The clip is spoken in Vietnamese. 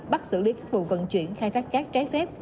bắt xử lý các vụ vận chuyển khai thác cát trái phép